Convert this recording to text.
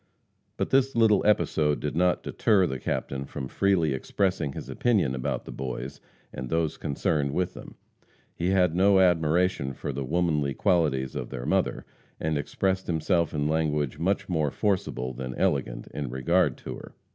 But this little episode did not deter the Captain from freely expressing his opinion about the boys and those concerned with them. He had no admiration for the womanly qualities of their mother, and expressed himself in language much more forcible than elegant in regard to her.